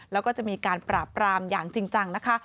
แล้วก็จะมีการปราบปรามอย่างจริงจังนะคะ